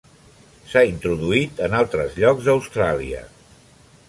S'ha introduït en altres llocs d'Austràlia.